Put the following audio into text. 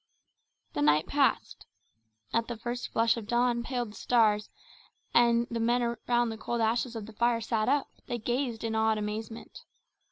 The night passed. As the first flush of dawn paled the stars, and the men around the cold ashes of the fire sat up, they gazed in awed amazement.